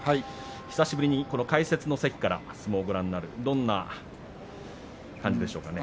久しぶりに解説の席から相撲をご覧になるのは、どんな感じでしょうか。